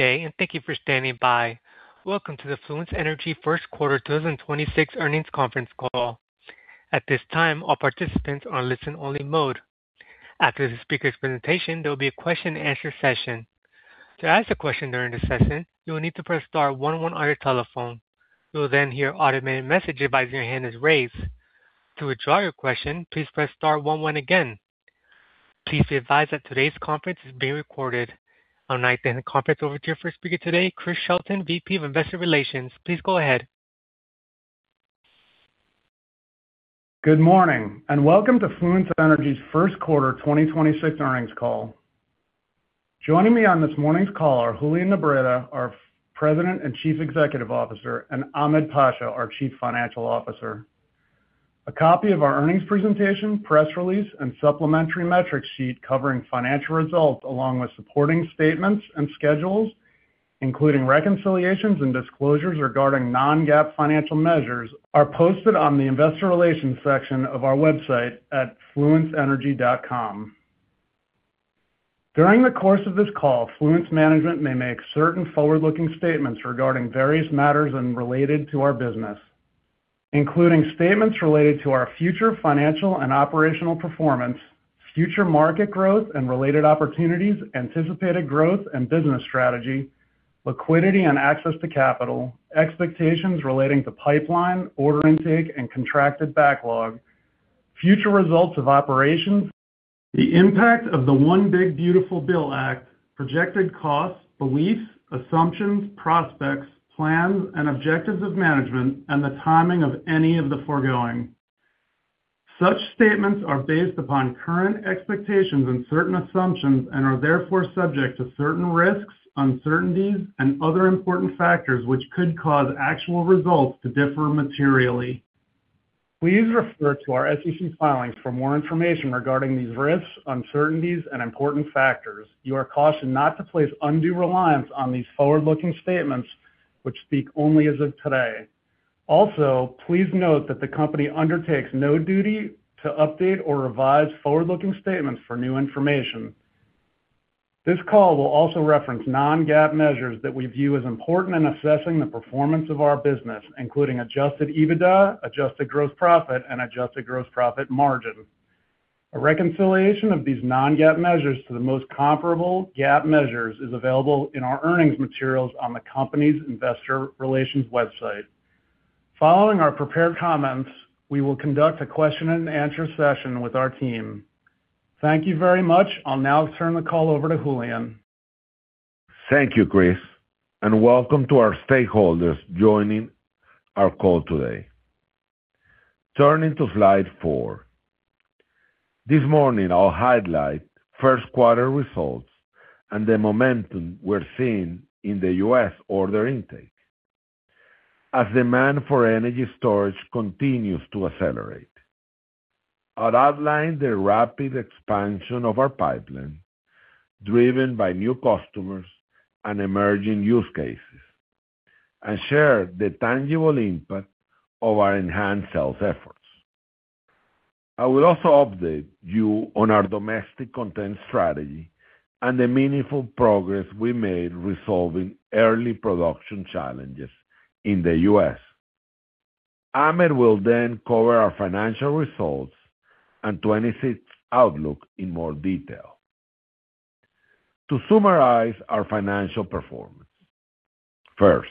Good day, and thank you for standing by. Welcome to the Fluence Energy First Quarter 2026 Earnings Conference Call. At this time, all participants are on listen-only mode. After the speaker's presentation, there will be a question-and-answer session. To ask a question during the session, you will need to press star one one on your telephone. You will then hear automated messages advising your hand is raised. To withdraw your question, please press star one one again. Please be advised that today's conference is being recorded. I'll now extend the conference over to your first speaker today, Chris Shelton, VP of Investor Relations. Please go ahead. Good morning, and welcome to Fluence Energy's 1st Quarter 2026 earnings call. Joining me on this morning's call are Julian Nebreda, our President and Chief Executive Officer, and Ahmed Pasha, our Chief Financial Officer. A copy of our earnings presentation, press release, and supplementary metrics sheet covering financial results along with supporting statements and schedules, including reconciliations and disclosures regarding non-GAAP financial measures, are posted on the Investor Relations section of our website at FluenceEnergy.com. During the course of this call, Fluence management may make certain forward-looking statements regarding various matters related to our business, including statements related to our future financial and operational performance, future market growth and related opportunities, anticipated growth and business strategy, liquidity and access to capital, expectations relating to pipeline, order intake, and contracted backlog, future results of operations. The impact of the One Big Beautiful Bill Act projected costs, beliefs, assumptions, prospects, plans, and objectives of management, and the timing of any of the foregoing. Such statements are based upon current expectations and certain assumptions and are therefore subject to certain risks, uncertainties, and other important factors which could cause actual results to differ materially. Please refer to our SEC filings for more information regarding these risks, uncertainties, and important factors. You are cautioned not to place undue reliance on these forward-looking statements which speak only as of today. Also, please note that the company undertakes no duty to update or revise forward-looking statements for new information. This call will also reference non-GAAP measures that we view as important in assessing the performance of our business, including Adjusted EBITDA, Adjusted Gross Profit, and adjusted gross profit margin. A reconciliation of these non-GAAP measures to the most comparable GAAP measures is available in our earnings materials on the company's Investor Relations website. Following our prepared comments, we will conduct a question-and-answer session with our team. Thank you very much. I'll now turn the call over to Julian. Thank you, Chris, and welcome to our stakeholders joining our call today. Turning to slide four. This morning, I'll highlight Q1 results and the momentum we're seeing in the U.S. order intake as demand for energy storage continues to accelerate. I'll outline the rapid expansion of our pipeline driven by new customers and emerging use cases, and share the tangible impact of our enhanced sales efforts. I will also update you on our domestic content strategy and the meaningful progress we made resolving early production challenges in the U.S. Ahmed will then cover our financial results and 2026 outlook in more detail. To summarize our financial performance, first,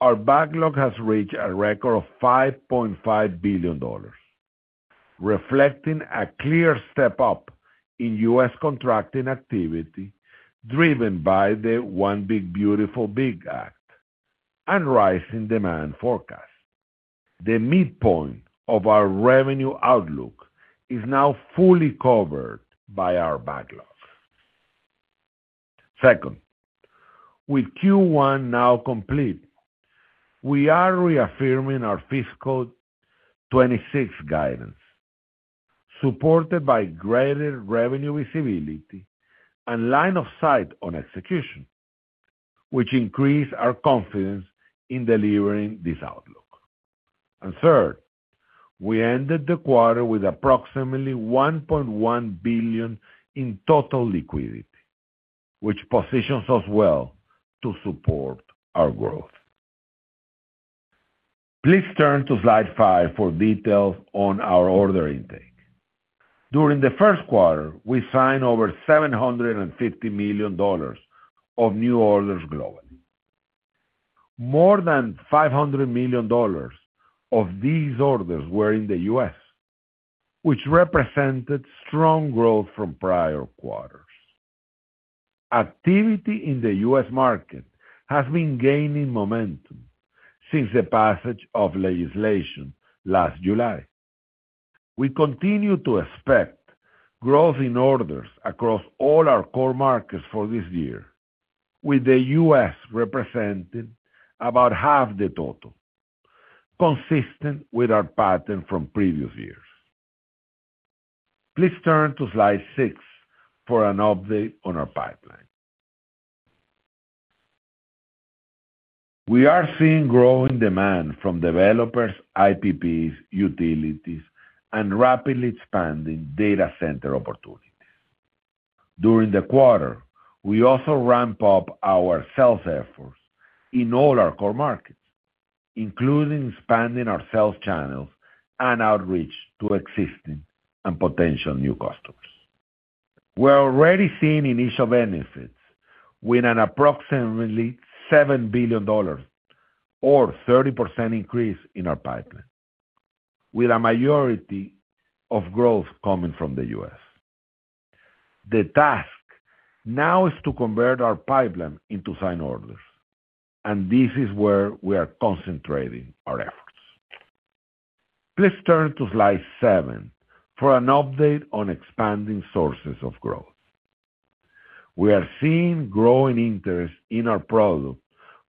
our backlog has reached a record of $5.5 billion, reflecting a clear step up in U.S. contracting activity driven by the One Big Beautiful Bill Act and rising demand forecasts. The midpoint of our revenue outlook is now fully covered by our backlog. Second, with Q1 now complete, we are reaffirming our fiscal 2026 guidance, supported by greater revenue visibility and line of sight on execution, which increases our confidence in delivering this outlook. Third, we ended the quarter with approximately $1.1 billion in total liquidity, which positions us well to support our growth. Please turn to slide five for details on our order intake. During the Q1, we signed over $750 million of new orders globally. More than $500 million of these orders were in the U.S., which represented strong growth from prior quarters. Activity in the U.S. market has been gaining momentum since the passage of legislation last July. We continue to expect growth in orders across all our core markets for this year, with the U.S. representing about half the total, consistent with our pattern from previous years. Please turn to slide six for an update on our pipeline. We are seeing growing demand from developers, IPPs, utilities, and rapidly expanding data center opportunities. During the quarter, we also ramped up our sales efforts in all our core markets, including expanding our sales channels and outreach to existing and potential new customers. We're already seeing initial benefits with an approximately $7 billion or 30% increase in our pipeline, with a majority of growth coming from the U.S. The task now is to convert our pipeline into signed orders, and this is where we are concentrating our efforts. Please turn to slide seven for an update on expanding sources of growth. We are seeing growing interest in our product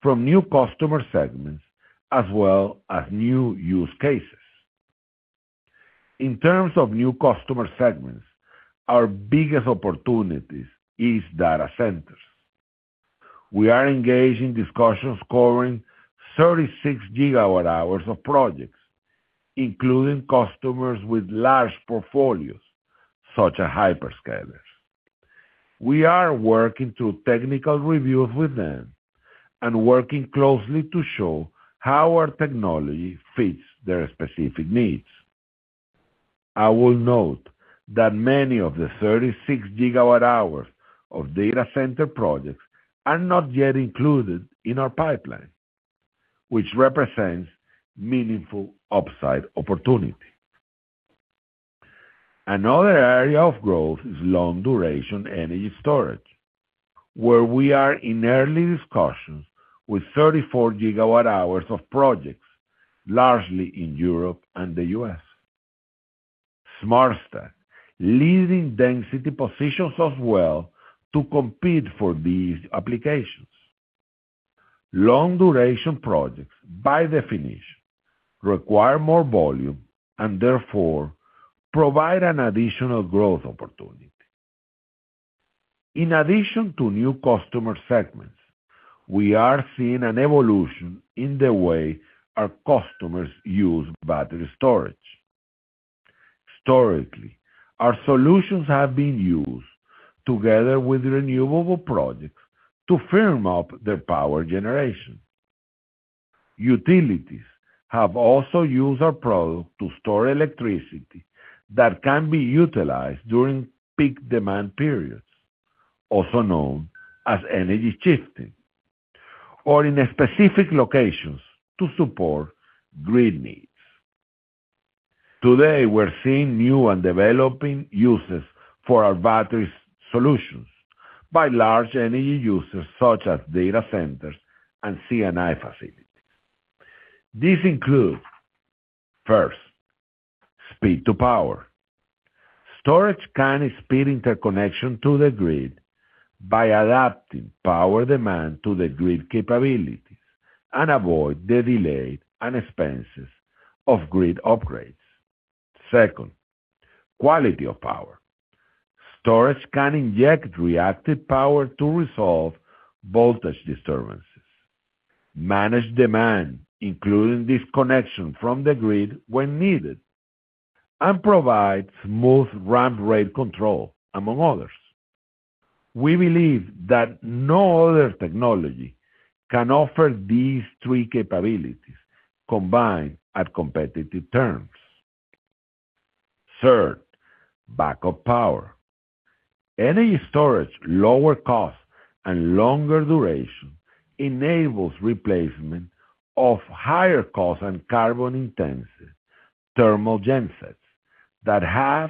from new customer segments as well as new use cases. In terms of new customer segments, our biggest opportunity is data centers. We are engaged in discussions covering 36 GWh of projects, including customers with large portfolios such as hyperscalers. We are working through technical reviews with them and working closely to show how our technology fits their specific needs. I will note that many of the 36 GWh of data center projects are not yet included in our pipeline, which represents meaningful upside opportunity. Another area of growth is long-duration energy storage, where we are in early discussions with 34 GWh of projects, largely in Europe and the US. Smartstack, leading density positions as well to compete for these applications. Long-duration projects, by definition, require more volume and therefore provide an additional growth opportunity. In addition to new customer segments, we are seeing an evolution in the way our customers use battery storage. Historically, our solutions have been used together with renewable projects to firm up their power generation. Utilities have also used our product to store electricity that can be utilized during peak demand periods, also known as energy shifting, or in specific locations to support grid needs. Today, we're seeing new and developing uses for our battery solutions by large energy users such as data centers and CNI facilities. This includes, first, speed to power. Storage can speed interconnection to the grid by adapting power demand to the grid capabilities and avoid the delay and expenses of grid upgrades. Second, quality of power. Storage can inject reactive power to resolve voltage disturbances, manage demand including disconnection from the grid when needed, and provide smooth ramp rate control, among others. We believe that no other technology can offer these three capabilities combined at competitive terms. Third, backup power. Energy storage, lower cost and longer duration enables replacement of higher cost and carbon-intensive thermal gensets that have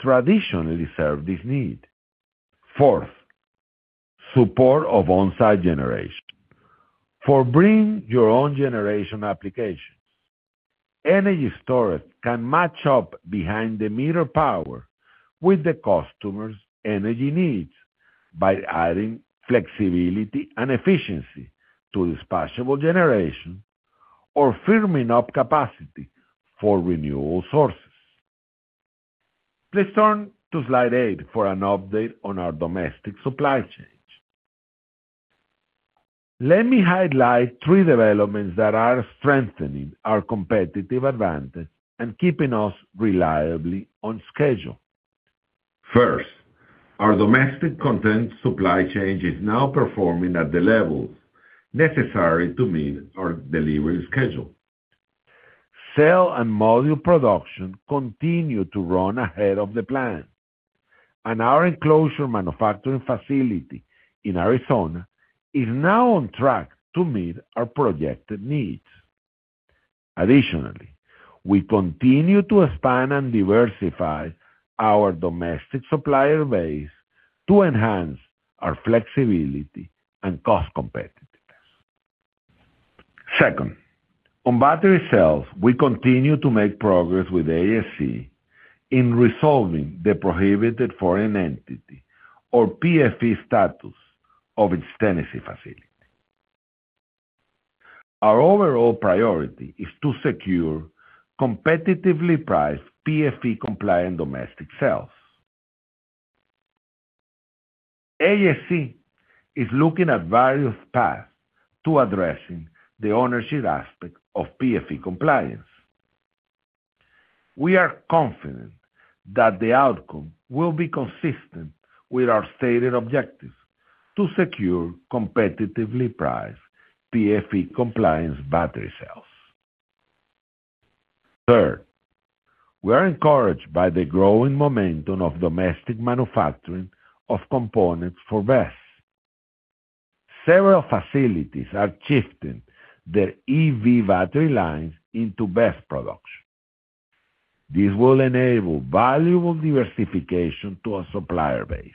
traditionally served this need. Fourth, support of onsite generation. For bring-your-own-generation applications, energy storage can match up behind-the-meter power with the customer's energy needs by adding flexibility and efficiency to dispatchable generation or firming up capacity for renewable sources. Please turn to slide 8 for an update on our domestic supply chain. Let me highlight three developments that are strengthening our competitive advantage and keeping us reliably on schedule. First, our domestic content supply chain is now performing at the levels necessary to meet our delivery schedule. Cell and module production continue to run ahead of the plan, and our enclosure manufacturing facility in Arizona is now on track to meet our projected needs. Additionally, we continue to expand and diversify our domestic supplier base to enhance our flexibility and cost competitiveness. Second, on battery cells, we continue to make progress with ASC in resolving the prohibited foreign entity or PFE status of its Tennessee facility. Our overall priority is to secure competitively priced PFE-compliant domestic cells. ASC is looking at various paths to addressing the ownership aspect of PFE compliance. We are confident that the outcome will be consistent with our stated objectives to secure competitively priced PFE-compliant battery cells. Third, we are encouraged by the growing momentum of domestic manufacturing of components for BESS. Several facilities are shifting their EV battery lines into BESS production. This will enable valuable diversification to our supplier base.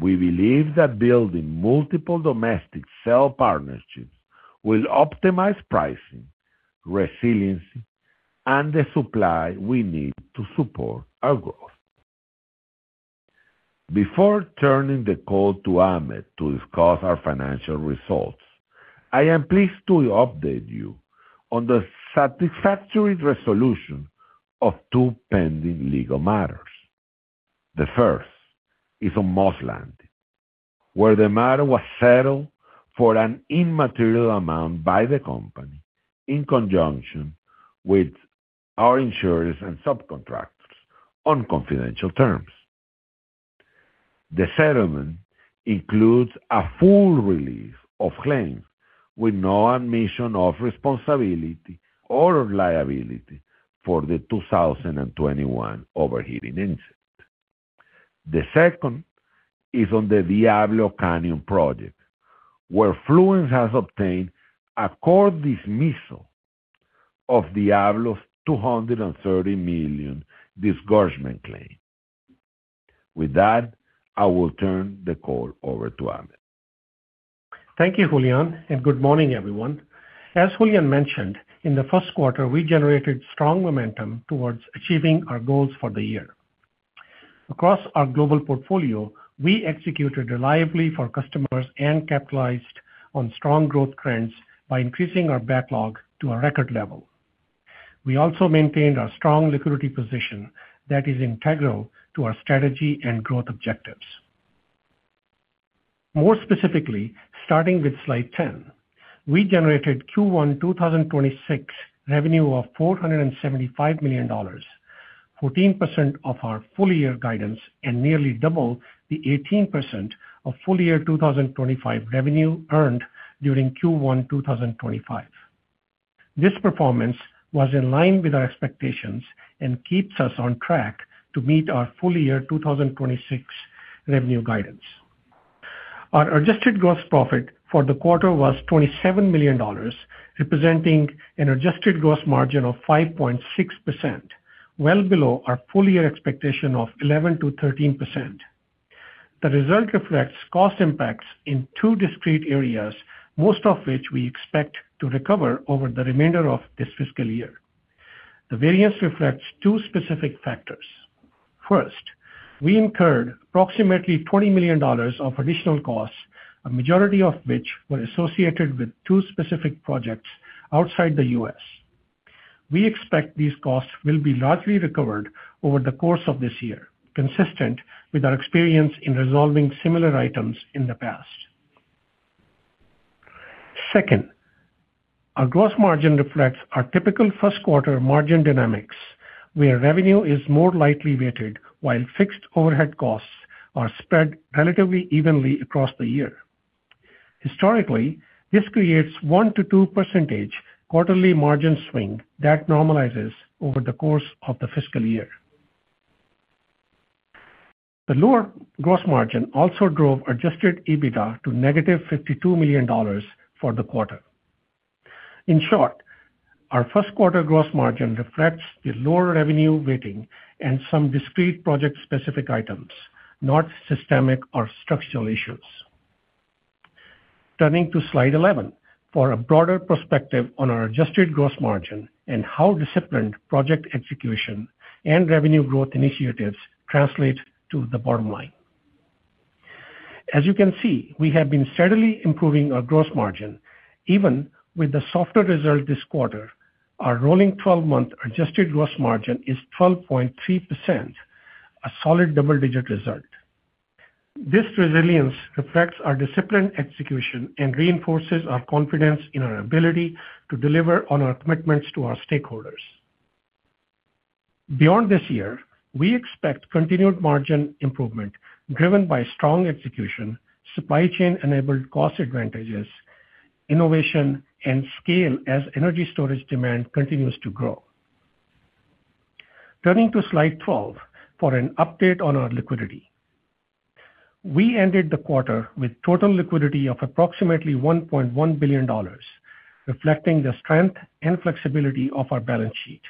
We believe that building multiple domestic cell partnerships will optimize pricing, resiliency, and the supply we need to support our growth. Before turning the call to Ahmed to discuss our financial results, I am pleased to update you on the satisfactory resolution of two pending legal matters. The first is on Moss Landing, where the matter was settled for an immaterial amount by the company in conjunction with our insurers and subcontractors on confidential terms. The settlement includes a full relief of claims with no admission of responsibility or liability for the 2021 overheating incident. The second is on the Diablo Canyon project, where Fluence has obtained a court dismissal of Diablo's $230 million disgorgement claim. With that, I will turn the call over to Ahmed. Thank you, Julian, and good morning, everyone. As Julian mentioned, in the Q1, we generated strong momentum towards achieving our goals for the year. Across our global portfolio, we executed reliably for customers and capitalized on strong growth trends by increasing our backlog to a record level. We also maintained our strong liquidity position that is integral to our strategy and growth objectives. More specifically, starting with slide 10, we generated Q1 2026 revenue of $475 million, 14% of our full-year guidance and nearly double the 18% of full-year 2025 revenue earned during Q1 2025. This performance was in line with our expectations and keeps us on track to meet our full-year 2026 revenue guidance. Our adjusted gross profit for the quarter was $27 million, representing an adjusted gross margin of 5.6%, well below our full-year expectation of 11%-13%. The result reflects cost impacts in two discrete areas, most of which we expect to recover over the remainder of this fiscal year. The variance reflects two specific factors. First, we incurred approximately $20 million of additional costs, a majority of which were associated with two specific projects outside the U.S. We expect these costs will be largely recovered over the course of this year, consistent with our experience in resolving similar items in the past. Second, our gross margin reflects our typical 1st Quarter margin dynamics, where revenue is more lightly weighted while fixed overhead costs are spread relatively evenly across the year. Historically, this creates 1%-2% quarterly margin swing that normalizes over the course of the fiscal year. The lower gross margin also drove Adjusted EBITDA to negative $52 million for the quarter. In short, our first quarter gross margin reflects the lower revenue weighting and some discrete project-specific items, not systemic or structural issues. Turning to slide 11 for a broader perspective on our adjusted gross margin and how disciplined project execution and revenue growth initiatives translate to the bottom line. As you can see, we have been steadily improving our gross margin. Even with the softer result this quarter, our rolling 12-month adjusted gross margin is 12.3%, a solid double-digit result. This resilience reflects our disciplined execution and reinforces our confidence in our ability to deliver on our commitments to our stakeholders. Beyond this year, we expect continued margin improvement driven by strong execution, supply chain-enabled cost advantages, innovation, and scale as energy storage demand continues to grow. Turning to slide 12 for an update on our liquidity. We ended the quarter with total liquidity of approximately $1.1 billion, reflecting the strength and flexibility of our balance sheet.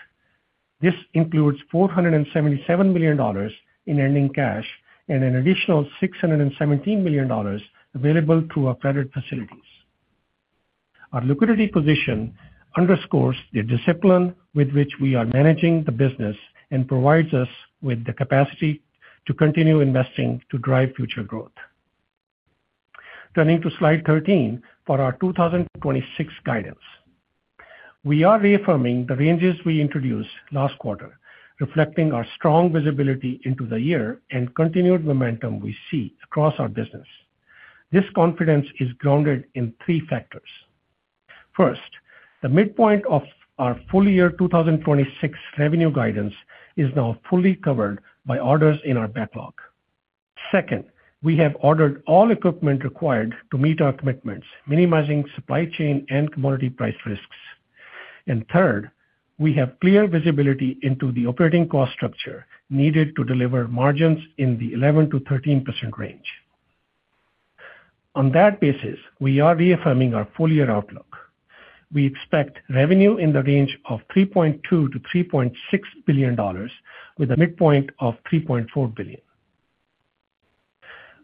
This includes $477 million in ending cash and an additional $617 million available through our credit facilities. Our liquidity position underscores the discipline with which we are managing the business and provides us with the capacity to continue investing to drive future growth. Turning to slide 13 for our 2026 guidance. We are reaffirming the ranges we introduced last quarter, reflecting our strong visibility into the year and continued momentum we see across our business. This confidence is grounded in three factors. First, the midpoint of our full-year 2026 revenue guidance is now fully covered by orders in our backlog. Second, we have ordered all equipment required to meet our commitments, minimizing supply chain and commodity price risks. And third, we have clear visibility into the operating cost structure needed to deliver margins in the 11%-13% range. On that basis, we are reaffirming our full-year outlook. We expect revenue in the range of $3.2-$3.6 billion, with a midpoint of $3.4 billion.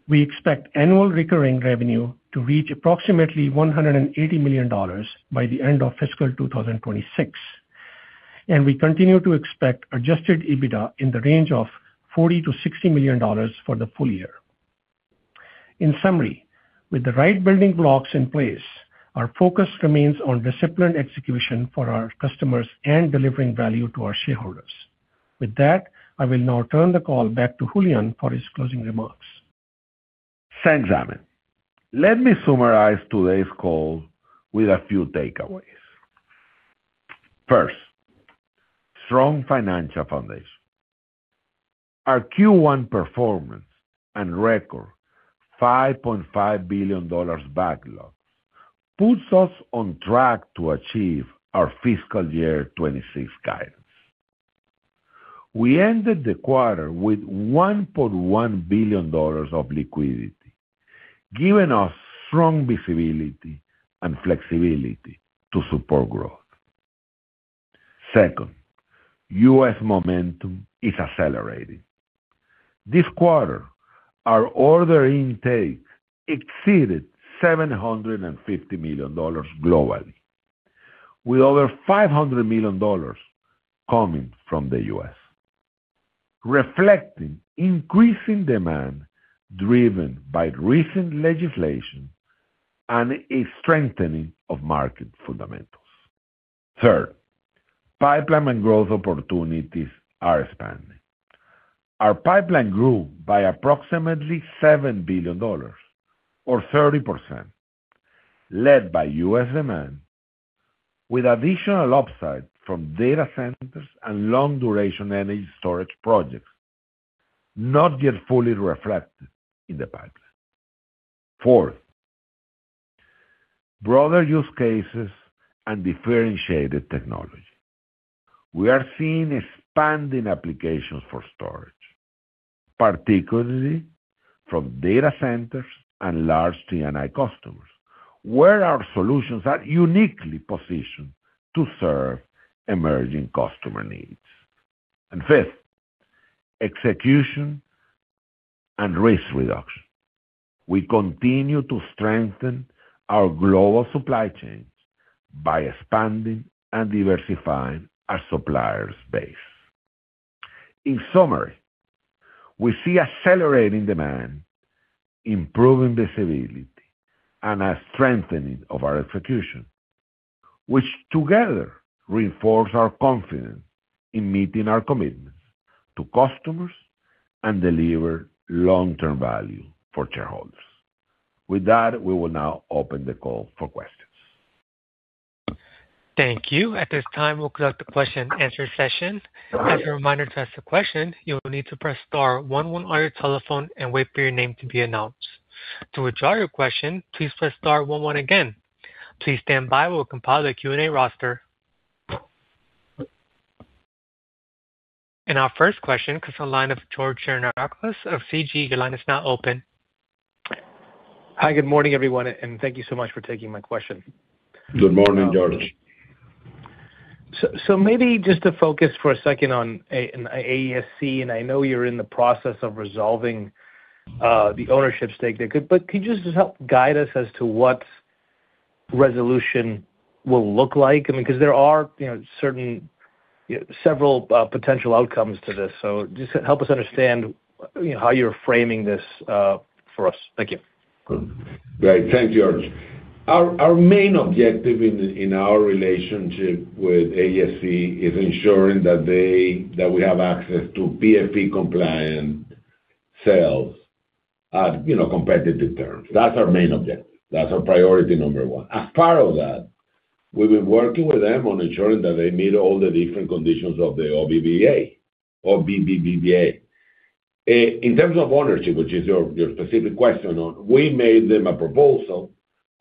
We expect annual recurring revenue to reach approximately $180 million by the end of fiscal 2026, and we continue to expect Adjusted EBITDA in the range of $40-$60 million for the full year. In summary, with the right building blocks in place, our focus remains on disciplined execution for our customers and delivering value to our shareholders. With that, I will now turn the call back to Julian for his closing remarks. Thanks, Ahmed. Let me summarize today's call with a few takeaways. First, strong financial foundation. Our Q1 performance and record $5.5 billion backlog puts us on track to achieve our fiscal year 2026 guidance. We ended the quarter with $1.1 billion of liquidity, giving us strong visibility and flexibility to support growth. Second, U.S. momentum is accelerating. This quarter, our order intake exceeded $750 million globally, with over $500 million coming from the U.S., reflecting increasing demand driven by recent legislation and a strengthening of market fundamentals. Third, pipeline and growth opportunities are expanding. Our pipeline grew by approximately $7 billion, or 30%, led by U.S. demand, with additional upside from data centers and long-duration energy storage projects not yet fully reflected in the pipeline. Fourth, broader use cases and differentiated technology. We are seeing expanding applications for storage, particularly from data centers and large CNI customers, where our solutions are uniquely positioned to serve emerging customer needs. And fifth, execution and risk reduction. We continue to strengthen our global supply chains by expanding and diversifying our supplier base. In summary, we see accelerating demand, improving visibility, and a strengthening of our execution, which together reinforce our confidence in meeting our commitments to customers and deliver long-term value for shareholders. With that, we will now open the call for questions. Thank you. At this time, we'll conduct the question-and-answer session. As a reminder to ask a question, you will need to press star one one on your telephone and wait for your name to be announced. To withdraw your question, please press star one one again. Please stand by. We'll compile the Q&A roster. Our first question comes from the line of George Gianarikas of Canaccord Genuity. Your line is now open. Hi. Good morning, everyone, and thank you so much for taking my question. Good morning, George. So maybe just to focus for a second on ASC, and I know you're in the process of resolving the ownership stake there, but could you just help guide us as to what resolution will look like? I mean, because there are several potential outcomes to this, so just help us understand how you're framing this for us. Thank you. Great. Thanks, George. Our main objective in our relationship with ASC is ensuring that we have access to PFE-compliant cells at competitive terms. That's our main objective. That's our priority number one. As part of that, we've been working with them on ensuring that they meet all the different conditions of the OBBA. In terms of ownership, which is your specific question on, we made them a proposal.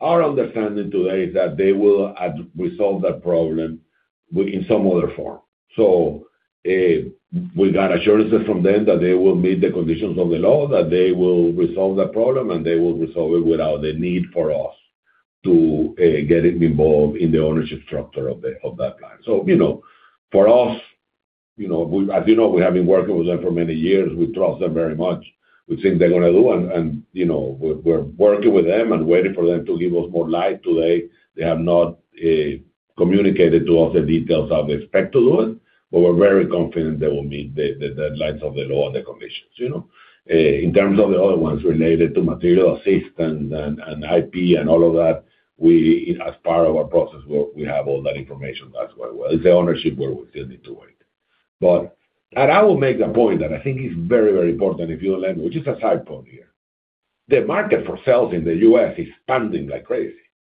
Our understanding today is that they will resolve that problem in some other form. So we got assurances from them that they will meet the conditions of the law, that they will resolve that problem, and they will resolve it without the need for us to get involved in the ownership structure of that plan. So for us, as you know, we have been working with them for many years. We trust them very much. We think they're going to do. And we're working with them and waiting for them to give us more light today. They have not communicated to us the details how they expect to do it, but we're very confident they will meet the deadlines of the law and the conditions. In terms of the other ones related to material assistance and IP and all of that, as part of our process, we have all that information as well. It's the ownership where we still need to wait. But I will make a point that I think is very, very important, if you'll let me, which is a side point here. The market for cells in the US is expanding like crazy.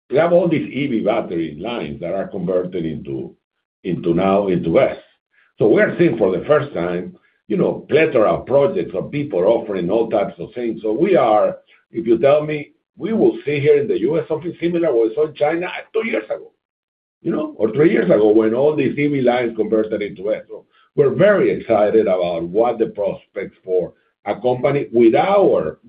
We have all these EV battery lines that are converted now into BESS. So we are seeing for the first time plethora of projects of people offering all types of things. So if you tell me, We will see here in the U.S. something similar? Was it in China two years ago or three years ago when all these EV lines converted into BESS. We're very excited about what the prospects for a company with our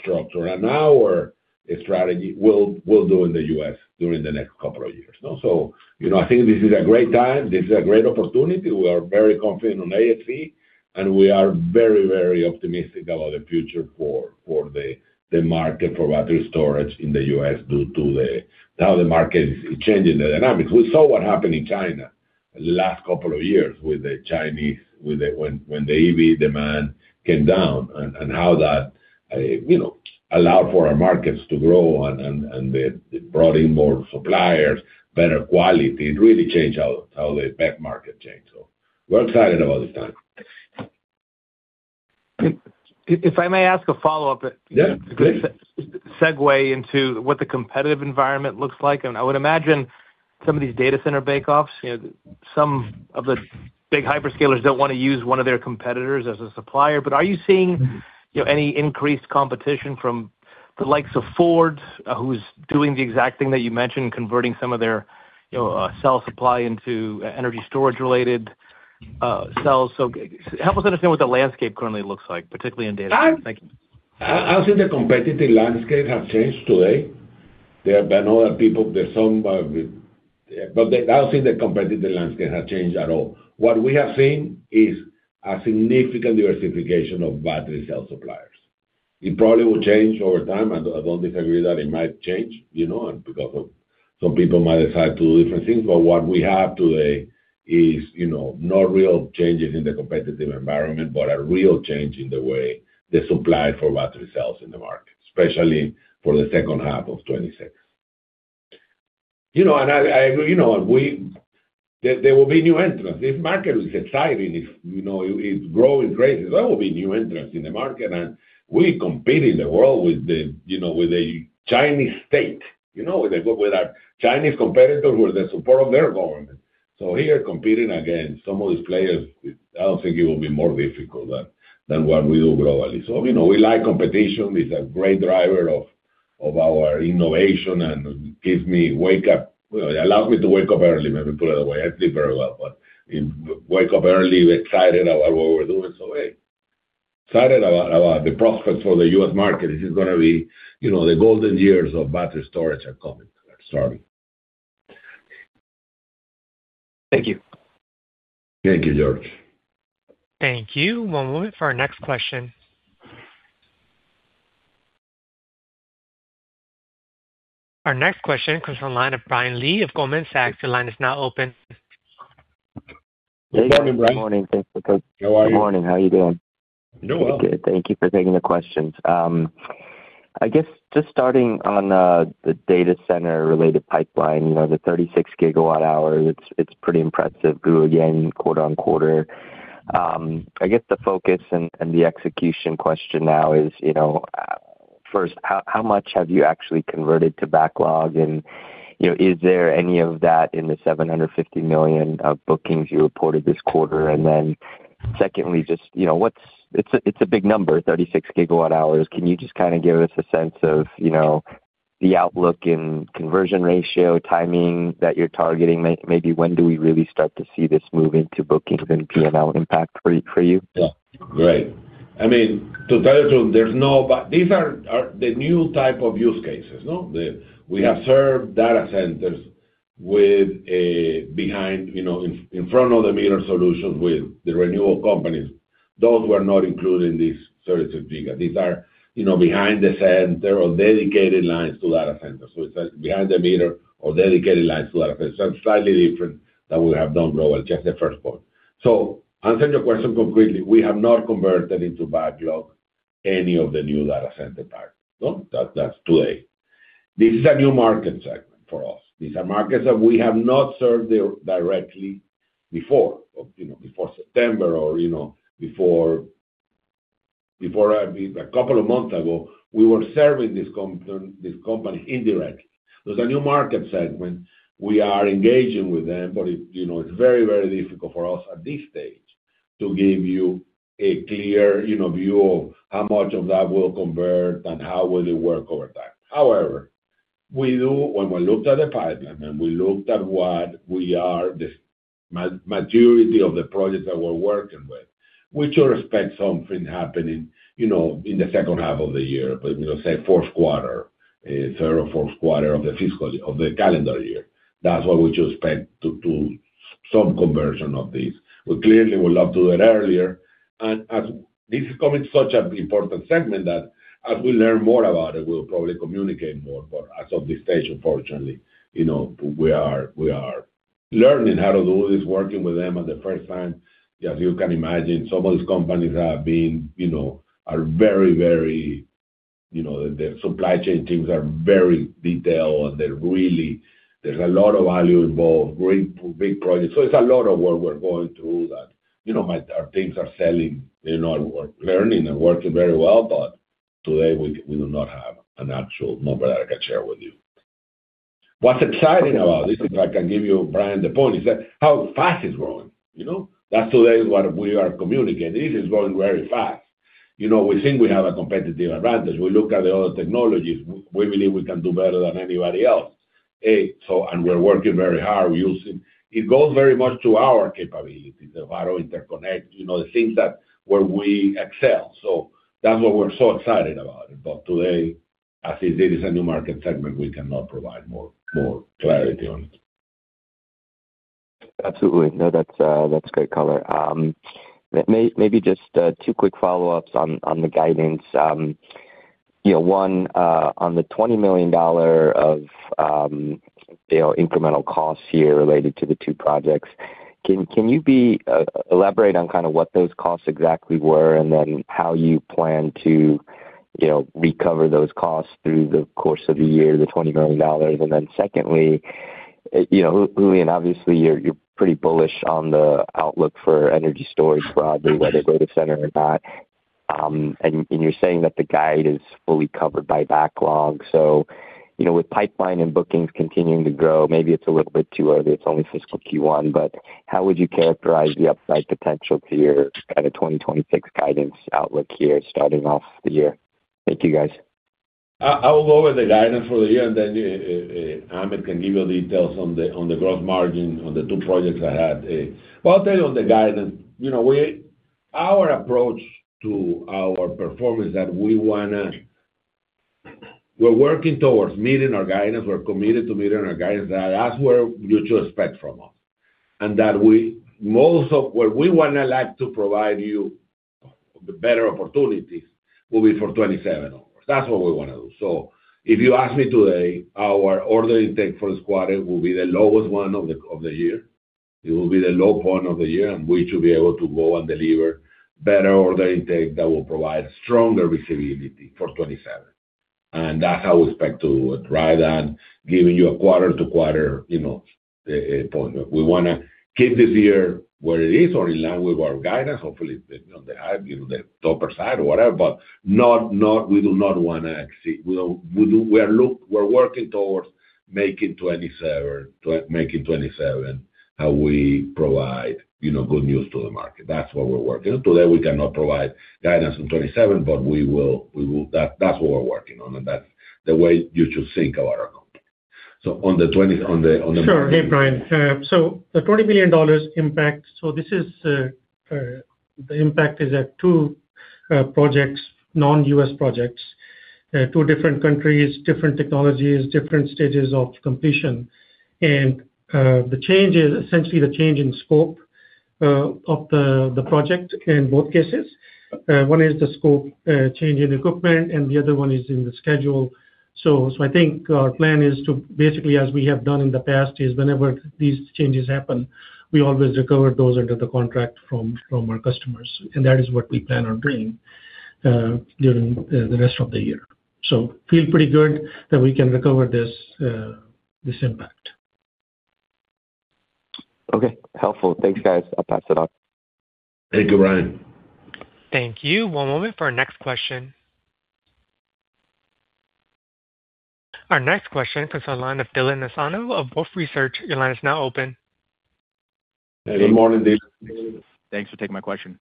structure and our strategy will do in the U.S. during the next couple of years. So I think this is a great time. This is a great opportunity. We are very confident on ASC, and we are very, very optimistic about the future for the market for battery storage in the U.S. due to how the market is changing the dynamics. We saw what happened in China the last couple of years when the EV demand came down and how that allowed for our markets to grow and brought in more suppliers, better quality. It really changed how the VEP market changed. So we're excited about this time. If I may ask a follow-up, a good segue into what the competitive environment looks like. I would imagine some of these data center bake-offs, some of the big hyperscalers don't want to use one of their competitors as a supplier. But are you seeing any increased competition from the likes of Ford, who's doing the exact thing that you mentioned, converting some of their cell supply into energy storage-related cells? So help us understand what the landscape currently looks like, particularly in data. Thank you. I think the competitive landscape has changed today. There have been other people. There's some, but I don't think the competitive landscape has changed at all. What we have seen is a significant diversification of battery cell suppliers. It probably will change over time. I don't disagree that it might change because some people might decide to do different things. But what we have today is not real changes in the competitive environment but a real change in the way the supply for battery cells in the market, especially for the H2 of 2026. And I agree. There will be new entrants. This market is exciting. It's growing crazy. There will be new entrants in the market. And we compete in the world with the Chinese state, with our Chinese competitors, with the support of their government. So here, competing against some of these players, I don't think it will be more difficult than what we do globally. So we like competition. It's a great driver of our innovation and gives me wake-up. It allows me to wake up early. Let me put it that way. I sleep very well, but wake up early, excited about what we're doing. So, hey, excited about the prospects for the U.S. market. This is going to be the golden years of battery storage are coming, starting. Thank you. Thank you, George. Thank you. One moment for our next question. Our next question comes from the line of Brian Lee of Goldman Sachs. Your line is now open. Good morning, Brian. Good morning. Thanks for coming. How are you? Good morning. How are you doing? Doing well. Good. Thank you for taking the questions. I guess just starting on the data center-related pipeline, the 36 GWh, it's pretty impressive, grew again quarter-over-quarter. I guess the focus and the execution question now is, first, how much have you actually converted to backlog? And is there any of that in the $750 million of bookings you reported this quarter? And then secondly, just what's it's a big number, 36 GWh. Can you just kind of give us a sense of the outlook in conversion ratio, timing that you're targeting? Maybe when do we really start to see this move into bookings and P&L impact for you? Yeah. Great. I mean, to tell you the truth, there's no but these are the new type of use cases. We have served data centers in front of the meter solutions with the utility companies. Those were not included in these 36 giga. These are behind the meter or dedicated lines to data centers. So it's behind the meter or dedicated lines to data centers. So it's slightly different than we have done globally, just the first point. So answering your question concretely, we have not converted into backlog any of the new data center parts. That's today. This is a new market segment for us. These are markets that we have not served directly before, before September or before a couple of months ago. We were serving this company indirectly. There's a new market segment. We are engaging with them, but it's very, very difficult for us at this stage to give you a clear view of how much of that will convert and how it will work over time. However, when we looked at the pipeline and we looked at what we are the majority of the projects that we're working with, we should expect something happening in the second half of the year, say, third or Q4 of the calendar year. That's what we should expect to some conversion of these. We clearly would love to do it earlier. And this is becoming such an important segment that as we learn more about it, we'll probably communicate more. But as of this situation, fortunately, we are learning how to do this, working with them for the first time. As you can imagine, some of these companies are very, very the supply chain teams are very detailed, and there's a lot of value involved, big projects. So it's a lot of work we're going through that our teams are selling or learning and working very well. But today, we do not have an actual number that I can share with you. What's exciting about this, if I can give you, Brian, the point, is how fast it's growing. That's today what we are communicating. This is going very fast. We think we have a competitive advantage. We look at the other technologies. We believe we can do better than anybody else. And we're working very hard using it goes very much to our capabilities of how to interconnect the things where we excel. So that's why we're so excited about it. Today, as this is a new market segment, we cannot provide more clarity on it. Absolutely. No, that's great color. Maybe just two quick follow-ups on the guidance. One, on the $20 million of incremental costs here related to the two projects, can you elaborate on kind of what those costs exactly were and then how you plan to recover those costs through the course of the year, the $20 million? And then secondly, Julian, obviously, you're pretty bullish on the outlook for energy storage broadly, whether data center or not. And you're saying that the guide is fully covered by backlog. So with pipeline and bookings continuing to grow, maybe it's a little bit too early. It's only fiscal Q1. But how would you characterize the upside potential to your kind of 2026 guidance outlook here starting off the year? Thank you, guys. I will go with the guidance for the year, and then Ahmed can give you details on the gross margin on the two projects I had. But I'll tell you on the guidance, our approach to our performance that we're working towards meeting our guidance. We're committed to meeting our guidance. That's what you should expect from us. And that most of what we want to provide you better opportunities will be for 2027. That's what we want to do. So if you ask me today, our order intake for this quarter will be the lowest one of the year. It will be the low point of the year, and we should be able to go and deliver better order intake that will provide stronger visibility for 2027. And that's how we expect to drive that, giving you a quarter-to-quarter point. We want to keep this year where it is or in line with our guidance, hopefully, on the upper side or whatever. But we do not want to exceed. We are working towards making 2027 how we provide good news to the market. That's what we're working on. Today, we cannot provide guidance on 2027, but that's what we're working on. That's the way you should think about our company. So on the market. Sure. Hey, Brian. So the $20 million impact, so the impact is at two projects, non-US projects, two different countries, different technologies, different stages of completion. And essentially, the change in scope of the project in both cases, one is the scope change in equipment, and the other one is in the schedule. So I think our plan is to basically, as we have done in the past, is whenever these changes happen, we always recover those under the contract from our customers. And that is what we plan on doing during the rest of the year. So feel pretty good that we can recover this impact. Okay. Helpful. Thanks, guys. I'll pass it on. Thank you, Brian. Thank you. One moment for our next question. Our next question comes from the line of Dylan Nassano of Wolfe Research. Your line is now open. Hey. Good morning, Dylan. Thanks for taking my question.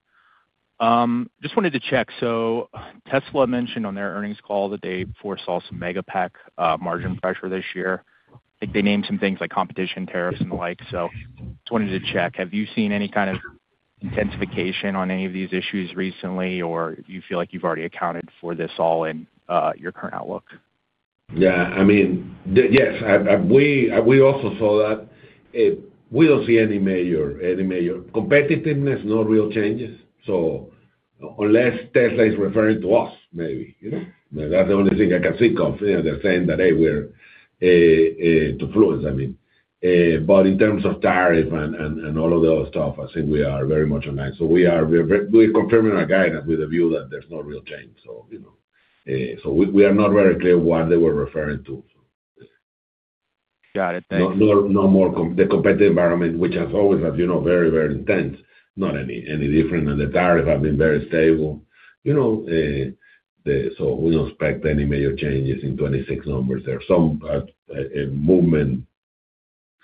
Just wanted to check. So Tesla mentioned on their earnings call that they foresaw some Megapack margin pressure this year. I think they named some things like competition tariffs and the like. So just wanted to check. Have you seen any kind of intensification on any of these issues recently, or do you feel like you've already accounted for this all in your current outlook? Yeah. I mean, yes. We also saw that. We don't see any major competitiveness, no real changes. So unless Tesla is referring to us, maybe. That's the only thing I can think of. They're saying that, Hey, we're too fluid, I mean. But in terms of tariff and all of the other stuff, I think we are very much aligned. So we are confirming our guidance with the view that there's no real change. So we are not very clear what they were referring to. Got it. Thanks. No more the competitive environment, which has always been very, very intense, not any different. The tariffs have been very stable. We don't expect any major changes in 2026 numbers. There's some movement,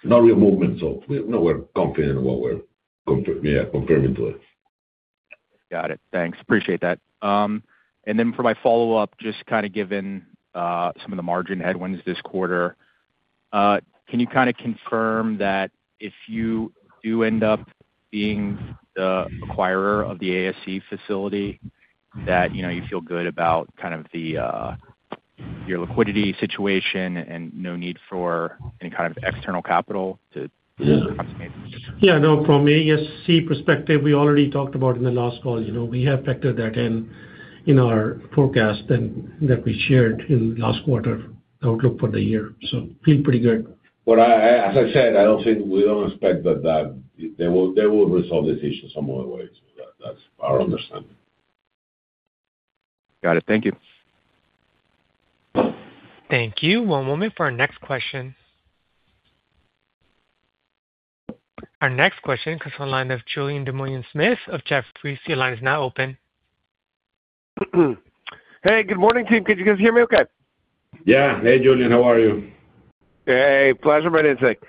no real movement. We're confident in what we're confirming today. Got it. Thanks. Appreciate that. And then for my follow-up, just kind of given some of the margin headwinds this quarter, can you kind of confirm that if you do end up being the acquirer of the ASC facility, that you feel good about kind of your liquidity situation and no need for any kind of external capital to consummate? Yeah. No. From ASC perspective, we already talked about in the last call. We have factored that in our forecast that we shared in last quarter, outlook for the year. So feel pretty good. As I said, I don't think we don't expect that they will resolve this issue some other way. So that's our understanding. Got it. Thank you. Thank you. One moment for our next question. Our next question comes from the line of Julien Dumoulin-Smith of Jefferies. Your line is now open. Hey. Good morning, team. Can you guys hear me okay? Yeah. Hey, Julian. How are you? Hey. Pleasure. My name's Zach.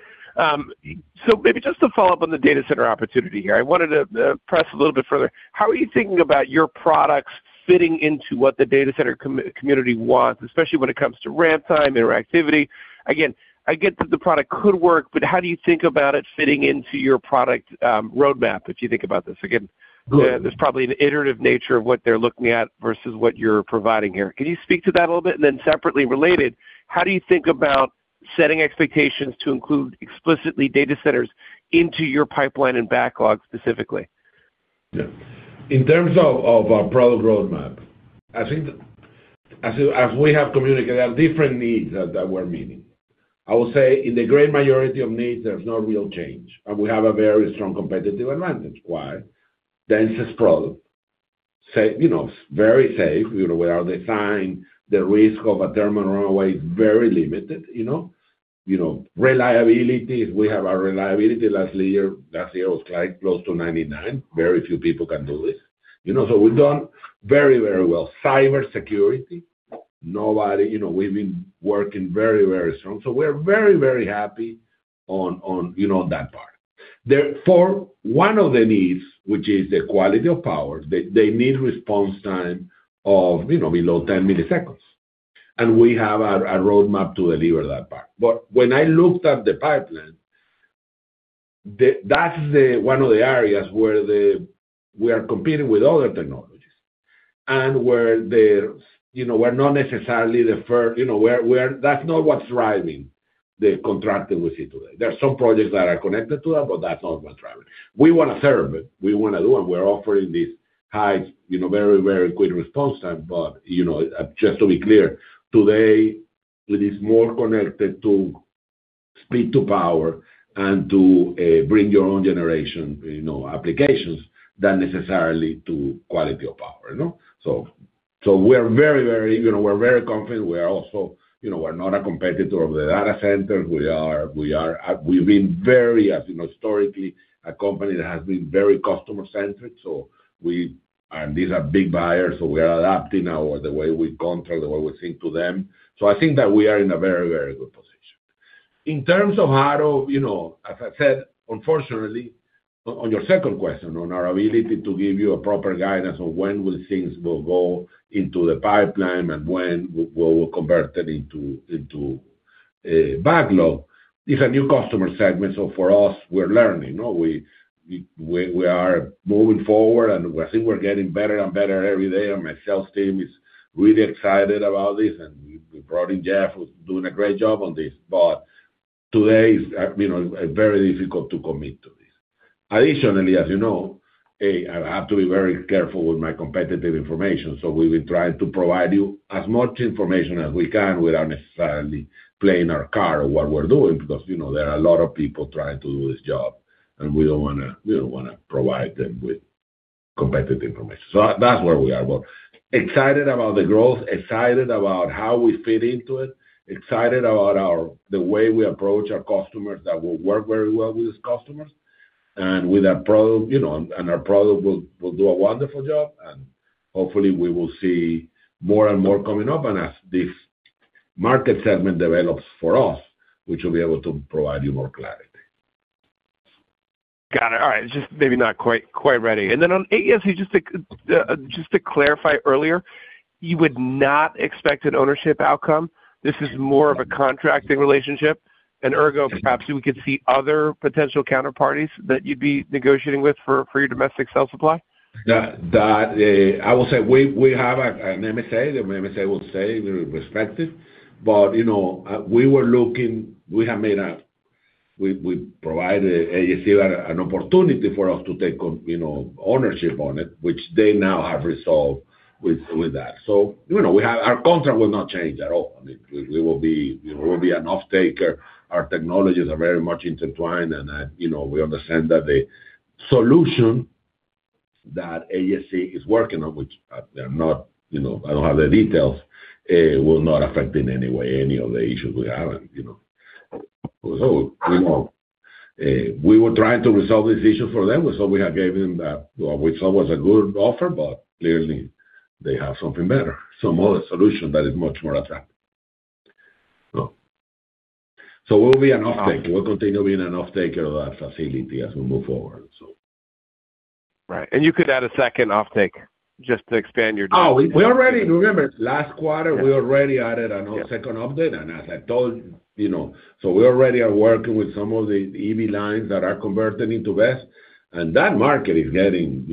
So maybe just to follow up on the data center opportunity here, I wanted to press a little bit further. How are you thinking about your products fitting into what the data center community wants, especially when it comes to ramp time, interactivity? Again, I get that the product could work, but how do you think about it fitting into your product roadmap if you think about this? Again, there's probably an iterative nature of what they're looking at versus what you're providing here. Can you speak to that a little bit? And then separately related, how do you think about setting expectations to include explicitly data centers into your pipeline and backlog specifically? Yeah. In terms of our product roadmap, I think as we have communicated, there are different needs that we're meeting. I would say in the great majority of needs, there's no real change. We have a very strong competitive advantage. Why? Dense product, very safe. We are designed. The risk of a thermal runaway is very limited. Reliability, we have our reliability last year. Last year, it was close to 99%. Very few people can do this. We've done very, very well. Cybersecurity, we've been working very, very strong. We're very, very happy on that part. For one of the needs, which is the quality of power, they need response time of below 10 milliseconds. We have a roadmap to deliver that part. But when I looked at the pipeline, that's one of the areas where we are competing with other technologies and where we're not necessarily the first. That's not what's driving the growth we see today. There's some projects that are connected to that, but that's not what's driving it. We want to serve it. We want to do it. And we're offering this high, very, very quick response time. But just to be clear, today, it is more connected to speed to power and to bring your own generation applications than necessarily to quality of power. So we're very confident. We're not a competitor of the data centers. We've been very historically a company that has been very customer-centric. And these are big buyers. So we are adapting now the way we control, the way we think to them. So I think that we are in a very, very good position. In terms of how to, as I said, unfortunately, on your second question, on our ability to give you a proper guidance on when things will go into the pipeline and when we'll convert it into backlog, it's a new customer segment. So for us, we're learning. We are moving forward, and I think we're getting better and better every day. And my sales team is really excited about this. And we brought in Jeff, who's doing a great job on this. But today, it's very difficult to commit to this. Additionally, as you know, I have to be very careful with my competitive information. So we've been trying to provide you as much information as we can without necessarily playing our card or what we're doing because there are a lot of people trying to do this job, and we don't want to provide them with competitive information. So that's where we are. But excited about the growth, excited about how we fit into it, excited about the way we approach our customers that will work very well with these customers and with our product. And our product will do a wonderful job. And hopefully, we will see more and more coming up. And as this market segment develops for us, we should be able to provide you more clarity. Got it. All right. Just maybe not quite ready. And then on ASC, just to clarify earlier, you would not expect an ownership outcome. This is more of a contracting relationship. And ergo, perhaps we could see other potential counterparties that you'd be negotiating with for your domestic sales supply? I would say we have an MSA. The MSA will stay respective. But we provided ASC an opportunity for us to take ownership on it, which they now have resolved with that. So our contract will not change at all. I mean, we will be an offtaker. Our technologies are very much intertwined, and we understand that the solution that ASC is working on, which I don't have the details, will not affect in any way any of the issues we have. So we were trying to resolve this issue for them. So we have given them that, which was a good offer, but clearly, they have something better, some other solution that is much more attractive. So we'll be an offtaker. We'll continue being an offtaker of that facility as we move forward, so. Right. You could add a second offtake just to expand your data. Oh, remember, last quarter, we already added a second update. And as I told so we already are working with some of the EV lines that are converting into BESS. And that market is getting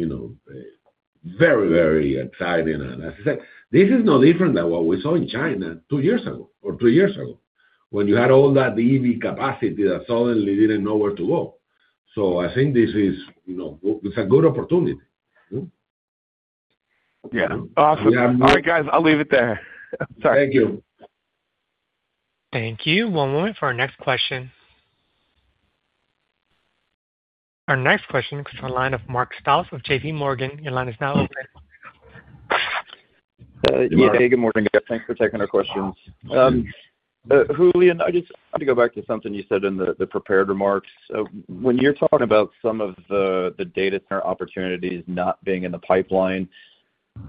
very, very exciting. And as I said, this is no different than what we saw in China two years ago or three years ago when you had all that EV capacity that suddenly didn't know where to go. So I think this is a good opportunity. Yeah. Awesome. All right, guys. I'll leave it there. Sorry. Thank you. Thank you. One moment for our next question. Our next question comes from the line of Mark Strouse of JPMorgan. Your line is now open. Yeah. Hey, good morning, guys. Thanks for taking our questions. Julian, I just want to go back to something you said in the prepared remarks. When you're talking about some of the data center opportunities not being in the pipeline,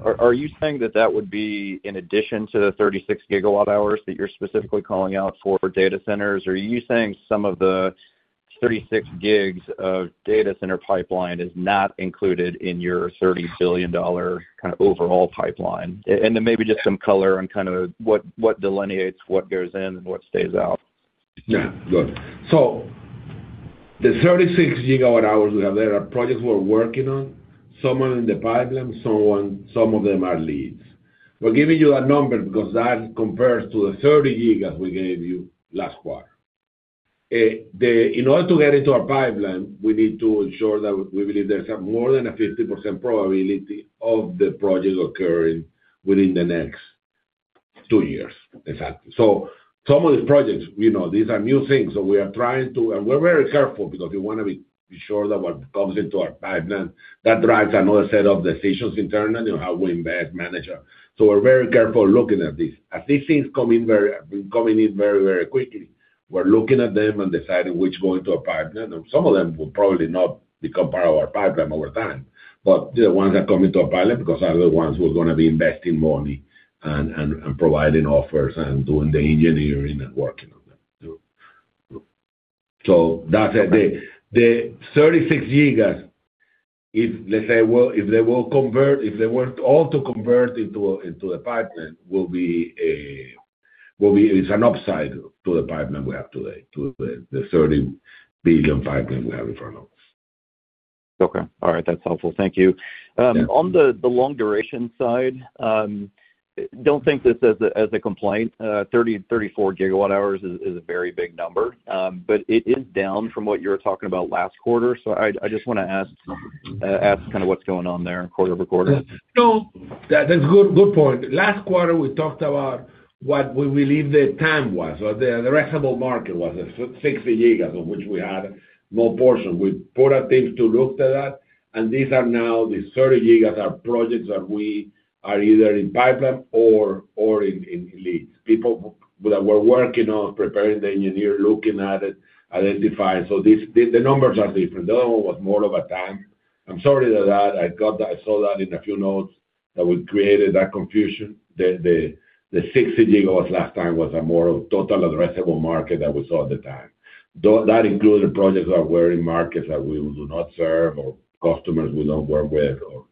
are you saying that that would be in addition to the 36 GWh that you're specifically calling out for data centers? Or are you saying some of the 36 GWh of data center pipeline is not included in your $30 billion kind of overall pipeline? And then maybe just some color on kind of what delineates what goes in and what stays out. Yeah. Good. So the 36 gigawatt-hours we have there, our projects we're working on, some are in the pipeline, some of them are leads. We're giving you that number because that compares to the 30 gigawatt-hours we gave you last quarter. In order to get into our pipeline, we need to ensure that we believe there's more than a 50% probability of the project occurring within the next two years, exactly. So some of these projects, these are new things. So we are trying to and we're very careful because we want to be sure that what comes into our pipeline, that drives another set of decisions internally on how we invest, manage. So we're very careful looking at these. As these things come in very, very quickly, we're looking at them and deciding which go into our pipeline. Some of them will probably not become part of our pipeline over time, but the ones that come into our pipeline because they're the ones who are going to be investing money and providing offers and doing the engineering and working on them. The 36 gigas, let's say, if they will convert if they were all to convert into the pipeline, it's an upside to the pipeline we have today, to the $30 billion pipeline we have in front of us. Okay. All right. That's helpful. Thank you. On the long-duration side, don't think this as a complaint, 30-34 GWh is a very big number. But it is down from what you were talking about last quarter. So I just want to ask kind of what's going on there quarter-over-quarter. No. That's a good point. Last quarter, we talked about what we believe the time was or the addressable market was, 60 gigas of which we had no portion. We put our teams to look to that. These are now the 30 gigas are projects that we are either in pipeline or in leads. People that were working on preparing the engineer, looking at it, identifying. The numbers are different. The other one was more of a time. I'm sorry that I saw that in a few notes that we created that confusion. The 60 gigas last time was more of total addressable market that we saw at the time. That included projects that were in markets that we do not serve or customers we don't work with or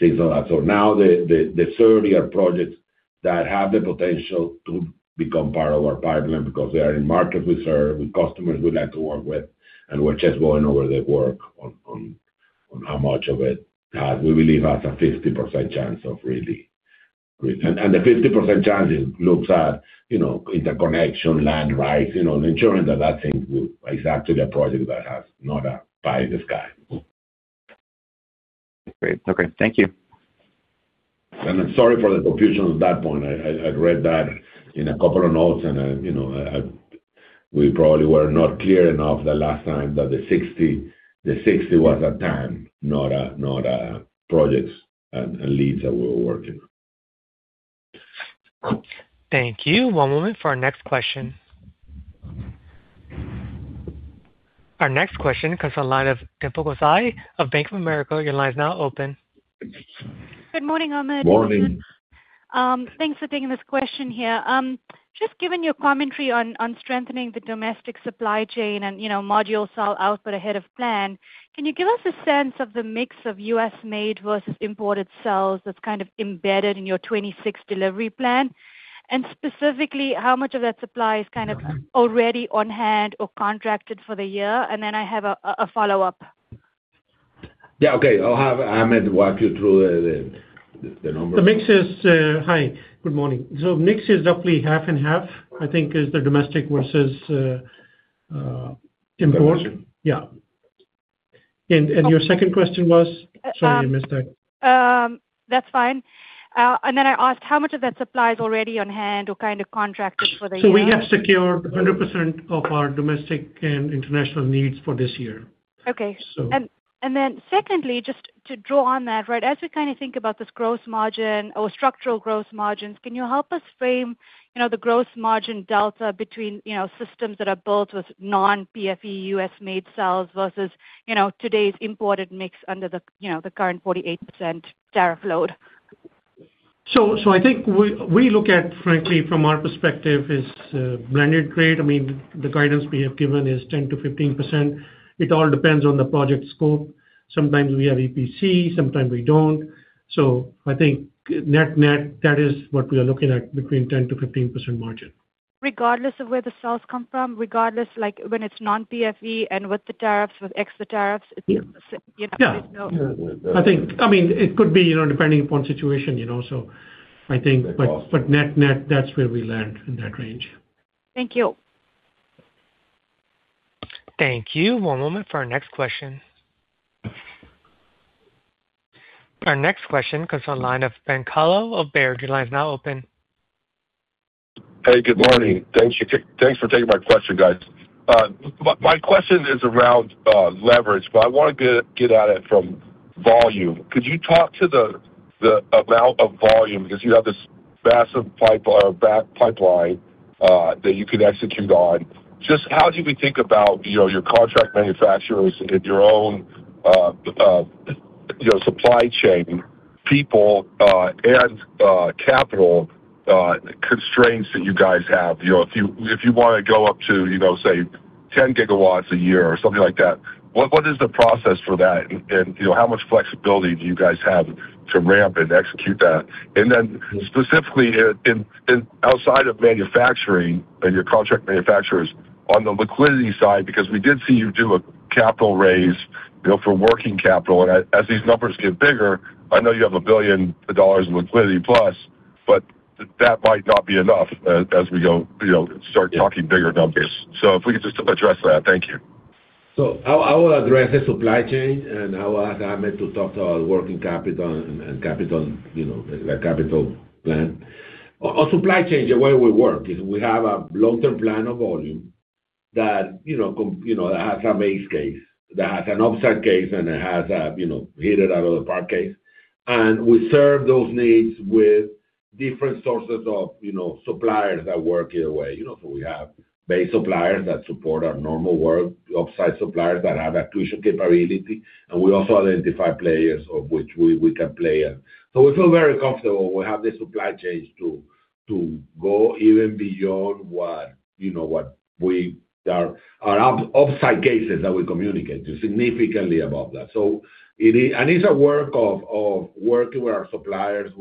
things like that. So now, the 30 are projects that have the potential to become part of our pipeline because they are in markets we serve, with customers we'd like to work with. And we're just going over the work on how much of it we believe has a 50% chance of really and the 50% chance looks at interconnection, land rights, ensuring that that thing is actually a project that has not a pie in the sky. Great. Okay. Thank you. I'm sorry for the confusion at that point. I read that in a couple of notes, and we probably were not clear enough the last time that the 60 was a time, not projects and leads that we were working on. Thank you. One moment for our next question. Our next question comes from the line of Dimple Gosai of Bank of America. Your line is now open. Good morning, Ahmed. Morning. Thanks for taking this question here. Just given your commentary on strengthening the domestic supply chain and module cell output ahead of plan, can you give us a sense of the mix of U.S.-made versus imported cells that's kind of embedded in your 2026 delivery plan? And specifically, how much of that supply is kind of already on hand or contracted for the year? And then I have a follow-up. Yeah. Okay. I'll have Ahmed walk you through the numbers. Hi. Good morning. So mix is roughly half and half, I think, is the domestic versus import. Importation. Yeah. And your second question was, sorry, I missed that. That's fine. And then I asked how much of that supply is already on hand or kind of contracted for the year. We have secured 100% of our domestic and international needs for this year, so. Okay. And then secondly, just to draw on that, right, as we kind of think about this gross margin or structural gross margins, can you help us frame the gross margin delta between systems that are built with non-PFE U.S.-made cells versus today's imported mix under the current 48% tariff load? So I think we look at, frankly, from our perspective, it's blended grade. I mean, the guidance we have given is 10%-15%. It all depends on the project scope. Sometimes we have EPC. Sometimes we don't. So I think net-net, that is what we are looking at, between 10%-15% margin. Regardless of where the cells come from, regardless when it's non-PFE and with the tariffs, with extra tariffs, it's the same? Yeah. I mean, it could be depending upon situation, so I think but net-net, that's where we land in that range. Thank you. Thank you. One moment for our next question. Our next question comes from the line of Ben Kallo of Baird. Your line is now open. Hey. Good morning. Thanks for taking my question, guys. My question is around leverage, but I want to get at it from volume. Could you talk to the amount of volume because you have this massive pipeline that you can execute on? Just how do we think about your contract manufacturers and your own supply chain people and capital constraints that you guys have? If you want to go up to, say, 10 gigawatts a year or something like that, what is the process for that, and how much flexibility do you guys have to ramp and execute that? And then specifically outside of manufacturing and your contract manufacturers on the liquidity side because we did see you do a capital raise for working capital. As these numbers get bigger, I know you have $1 billion in liquidity plus, but that might not be enough as we start talking bigger numbers. If we could just address that, thank you. I will address the supply chain, and I will ask Ahmed to talk to our working capital and capital plan. On supply chain, the way we work is we have a long-term plan of volume that has a base case, that has an upside case, and it has a hit-it-out-of-the-park case. We serve those needs with different sources of suppliers that work either way. We have base suppliers that support our normal work, upside suppliers that have acquisition capability. We also identify players of which we can play as. We feel very comfortable. We have the supply chain to go even beyond what we are our upside cases that we communicate is significantly above that. It's a work of working with our suppliers,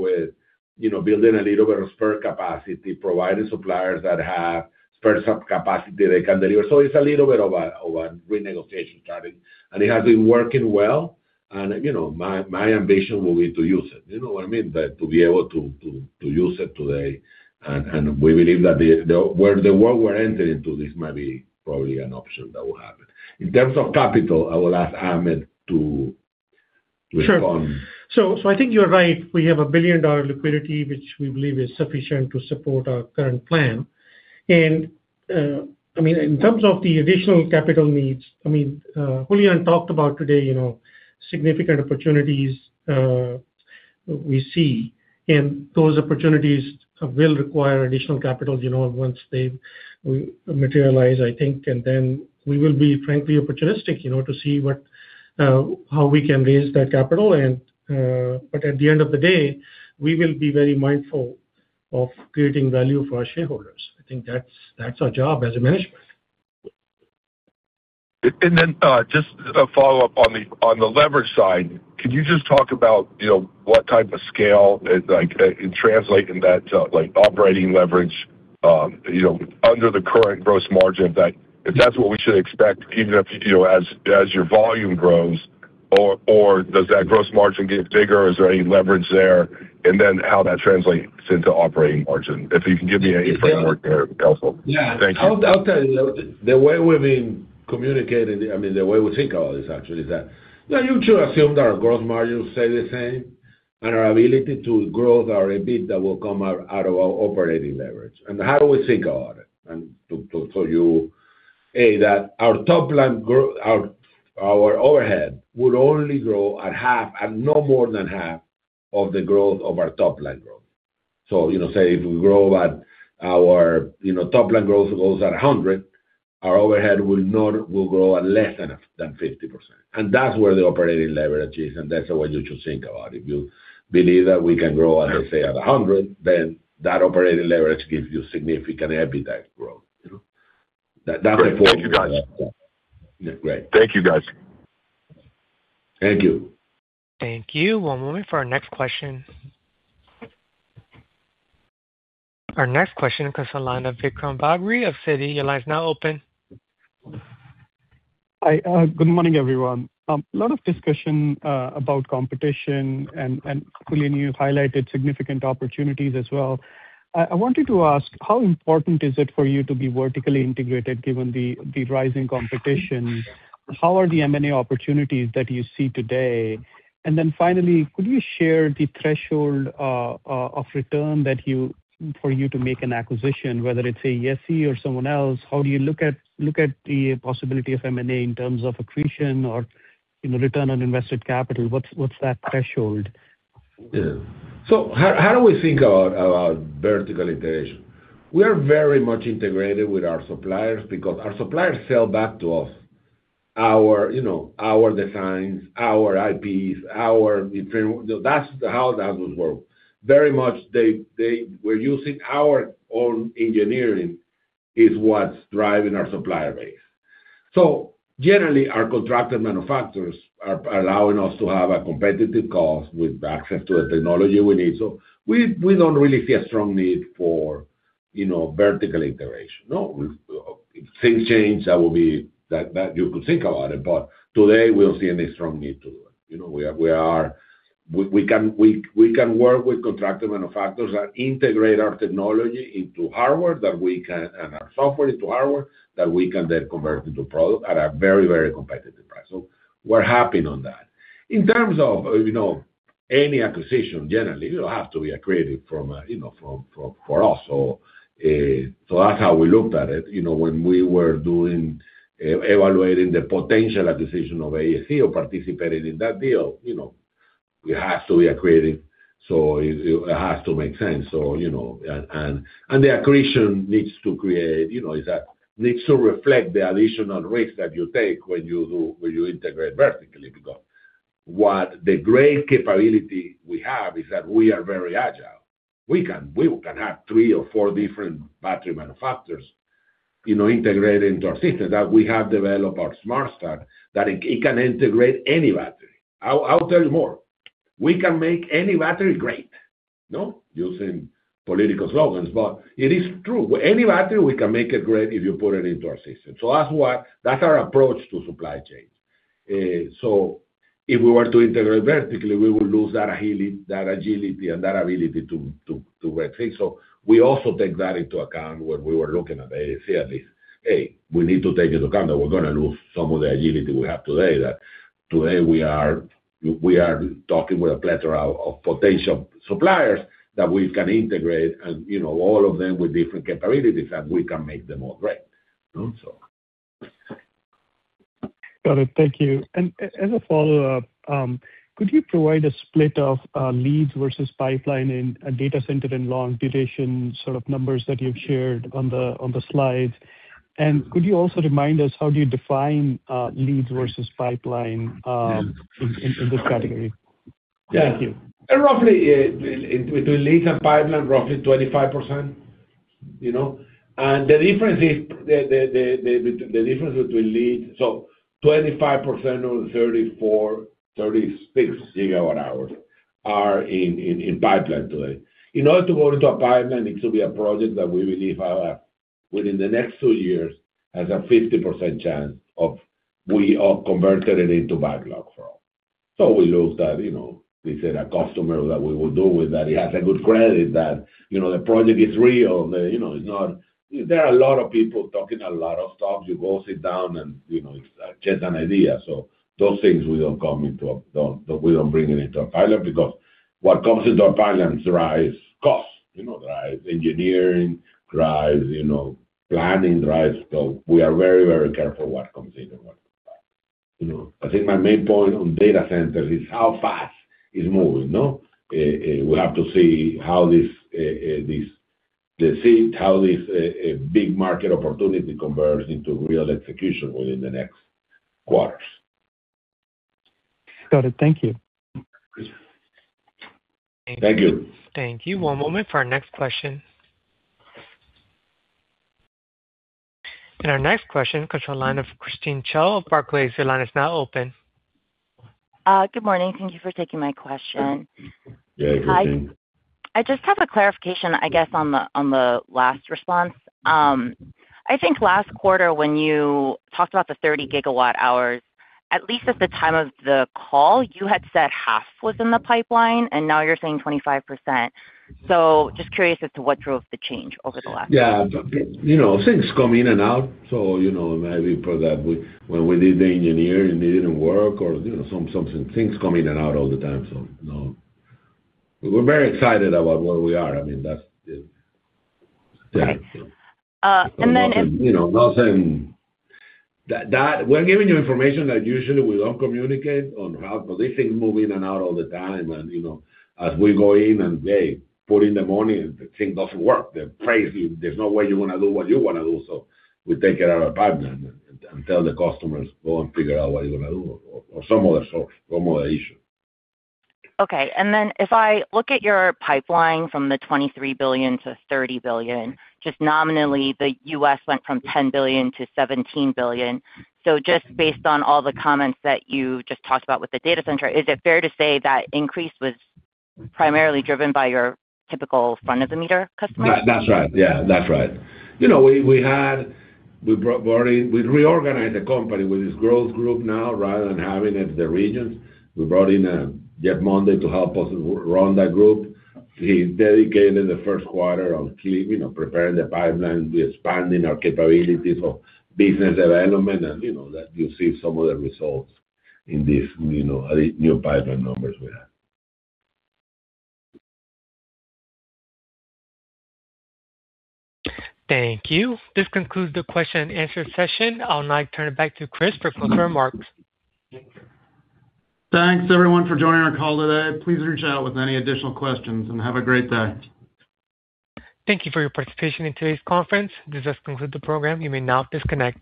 building a little bit of spare capacity, providing suppliers that have spare capacity they can deliver. So it's a little bit of a renegotiation starting. And it has been working well. And my ambition will be to use it. You know what I mean? To be able to use it today. And we believe that where the world we're entering to, this might be probably an option that will happen. In terms of capital, I will ask Ahmed to respond. Sure. So I think you're right. We have a billion-dollar liquidity, which we believe is sufficient to support our current plan. And I mean, in terms of the additional capital needs, I mean, Julian talked about today significant opportunities we see. And those opportunities will require additional capital once they materialize, I think. And then we will be, frankly, opportunistic to see how we can raise that capital. But at the end of the day, we will be very mindful of creating value for our shareholders. I think that's our job as a management. Just a follow-up on the leverage side, can you just talk about what type of scale in translating that operating leverage under the current gross margin that if that's what we should expect, even as your volume grows, or does that gross margin get bigger? Is there any leverage there? How that translates into operating margin? If you can give me any framework there, it would be helpful. Yeah. Thank you. I'll tell you. The way we've been communicated, I mean, the way we think about this, actually, is that usually, we assume that our gross margins stay the same and our ability to grow is a bit that will come out of our operating leverage. And how do we think about it? And to show you, A, that our overhead would only grow at half, at no more than half of the growth of our top line growth. So say if we grow at our top line growth goes at 100, our overhead will grow at less than 50%. And that's where the operating leverage is. And that's the way you should think about it. If you believe that we can grow, let's say, at 100, then that operating leverage gives you significant EBITDA growth. That's the formula. Thank you, guys. Yeah. Great. Thank you, guys. Thank you. Thank you. One moment for our next question. Our next question comes from the line of Vikram Bagri of Citi. Your line is now open. Good morning, everyone. A lot of discussion about competition. And Julian, you highlighted significant opportunities as well. I wanted to ask, how important is it for you to be vertically integrated given the rising competition? How are the M&A opportunities that you see today? And then finally, could you share the threshold of return for you to make an acquisition, whether it's an ESS Inc. or someone else? How do you look at the possibility of M&A in terms of accretion or return on invested capital? What's that threshold? So how do we think about vertical integration? We are very much integrated with our suppliers because our suppliers sell back to us our designs, our IPs, our that's how that would work. Very much, we're using our own engineering is what's driving our supplier base. So generally, our contracted manufacturers are allowing us to have a competitive cost with access to the technology we need. So we don't really see a strong need for vertical integration. No. If things change, that will be that you could think about it. But today, we don't see any strong need to do it. We can work with contracted manufacturers that integrate our technology into hardware that we can and our software into hardware that we can then convert into product at a very, very competitive price. So we're happy on that. In terms of any acquisition, generally, it'll have to be accretive for us. So that's how we looked at it. When we were evaluating the potential acquisition of AESC or participating in that deal, it has to be accretive. So it has to make sense. And the accretion needs to create is that needs to reflect the additional risks that you take when you integrate vertically because the great capability we have is that we are very agile. We can have three or four different battery manufacturers integrated into our system that we have developed our Smartstack that it can integrate any battery. I'll tell you more. We can make any battery great, no? Using political slogans, but it is true. Any battery, we can make it great if you put it into our system. So that's our approach to supply chain. So if we were to integrate vertically, we will lose that agility and that ability to vet things. So we also take that into account when we were looking at AESC at least. Hey, we need to take into account that we're going to lose some of the agility we have today, that today, we are talking with a plethora of potential suppliers that we can integrate and all of them with different capabilities, and we can make them all great, so. Got it. Thank you. And as a follow-up, could you provide a split of leads versus pipeline in data center and long-duration sort of numbers that you've shared on the slides? And could you also remind us, how do you define leads versus pipeline in this category? Thank you. Yeah. And roughly, between leads and pipeline, roughly 25%. And the difference is the difference between leads, so 25% of the 34-36 GWh are in pipeline today. In order to go into a pipeline, it should be a project that we believe within the next two years has a 50% chance of we converted it into backlog for all. So we looked at, we said, a customer that we will deal with that has a good credit, that the project is real. There are a lot of people talking a lot of stuff. You go sit down, and it's just an idea. So those things, we don't bring it into a pipeline because what comes into our pipeline drives cost, drives engineering, drives planning, drives, so we are very, very careful what comes in and what comes out. I think my main point on data centers is how fast it's moving. We have to see how this big market opportunity converts into real execution within the next quarters. Got it. Thank you. Thank you. Thank you. One moment for our next question. Our next question comes from the line of Christine Cho of Barclays. Your line is now open. Good morning. Thank you for taking my question. Yeah, Christine. I just have a clarification, I guess, on the last response. I think last quarter, when you talked about the 30 GWh, at least at the time of the call, you had said half was in the pipeline, and now you're saying 25%. So just curious as to what drove the change over the last year. Yeah. Things come in and out. So maybe for that, when we did the engineering and it didn't work or something, things come in and out all the time, so. We're very excited about where we are. I mean, that's the. And then if. And I'm not saying that we're giving you information that usually we don't communicate on how these things move in and out all the time. And as we go in and, hey, put in the money, the thing doesn't work. There's no way you're going to do what you want to do. So we take it out of pipeline and tell the customers, Go and figure out what you're going to do, or some other source, some other issue. Okay. And then if I look at your pipeline from the $23 billion to $30 billion, just nominally, the US went from $10 billion to $17 billion. So just based on all the comments that you just talked about with the data center, is it fair to say that increase was primarily driven by your typical front-of-the-meter customers? That's right. Yeah. That's right. We reorganized the company with this growth group now rather than having it in the regions. We brought in Jeff Monday to help us run that group. He dedicated the Q1 on preparing the pipeline, expanding our capabilities of business development, and you'll see some of the results in these new pipeline numbers we have. Thank you. This concludes the question-and-answer session. I'll now turn it back to Chris for close remarks. Thanks, everyone, for joining our call today. Please reach out with any additional questions, and have a great day. Thank you for your participation in today's conference. This does conclude the program. You may now disconnect.